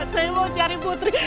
saya mau cari putri